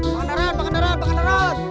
pakat darat pakat darat pakat darat